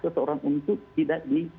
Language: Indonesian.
seseorang untuk tidak